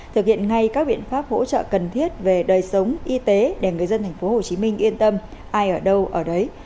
thực hiện ngay các biện pháp hỗ trợ cần thiết về đời sống y tế để người dân tp hcm yên tâm ai ở đâu ở đấy